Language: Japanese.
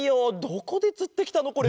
どこでつってきたのこれ？